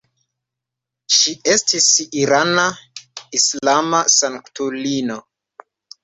Ŝi estis irana islama sanktulino.